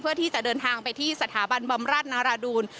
เพื่อที่จะเดินทางไปที่สถาบันบำราชนาราดูล